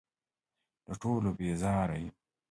له ټولو بېزاره یم .